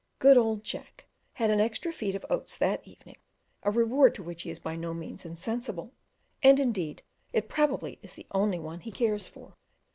Good old Jack had an extra feed of oats that evening, a reward to which he is by no means insensible; and indeed it probably is the only one he cares for.